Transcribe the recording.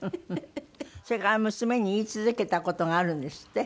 それから娘に言い続けた事があるんですって？